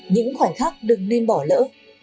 những khoảnh khắc đừng nên bỏ lỡ